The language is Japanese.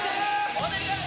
お願い